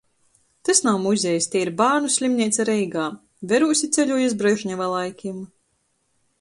Tys nav muzejs, tei ir bārnu slimneica Reigā. Verūs i ceļoju iz Brežneva laikim.